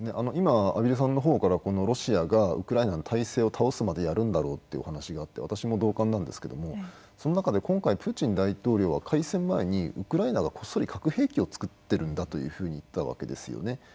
今畔蒜さんのほうからロシアがウクライナの体制を倒すまでやるんだろうというお話があって私も同感なんですけどもその中で今回プーチン大統領は開戦前にウクライナがこっそり核兵器を作っているんだというふうに言ってたわけですよね。